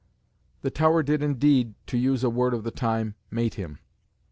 The Tower did, indeed, to use a word of the time, "mate" him.